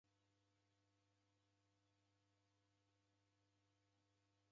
W'alimi w'aw'ekaba mbuza